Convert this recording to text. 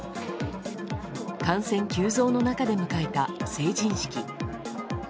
感染急増の中で迎えた成人式。